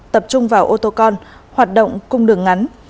tập trung vào ô tô con hoạt động cung đường ngắn